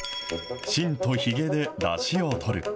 芯とひげでだしをとる。